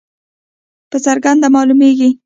په څرګنده معلومیږي.